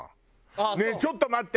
ねえちょっと待って。